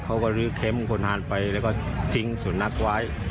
เขาก็ลื้อเค็มขนาดไปแล้วก็ทิ้งสุนัขไว้